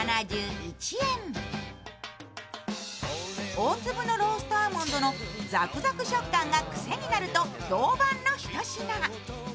大粒のローストアーモンドのザクザク食感がクセになると評判の一品。